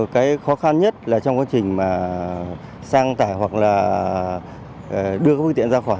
cái khó khăn nhất là trong quá trình mà sang tải hoặc là đưa các phương tiện ra khỏi